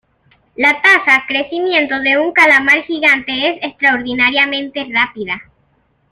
La tasa de crecimiento de un calamar gigante es extraordinariamente rápida.